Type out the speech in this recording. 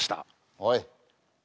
おい。